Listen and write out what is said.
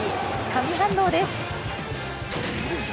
神反応です。